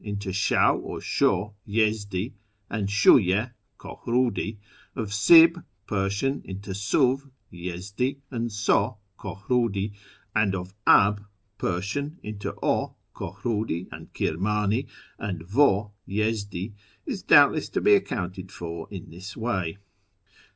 into Shaw or Sho (Yezdi) and Shiiye (Kohriidi ); of Sib (Pers.) into Sfiv (Yezdi) and So (Kohrudi) ; and of Ab (Pers.) into 0 (Kohrudi and Kirmani) and v6 (Yezdi), is doubtless to be accounted for in this way.